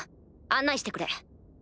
案内してくれ。